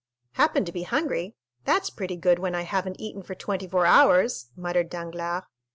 "Happen to be hungry,—that's pretty good, when I haven't eaten for twenty four hours!" muttered Danglars.